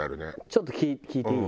ちょっと聴いていい？